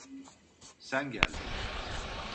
Sen geldin.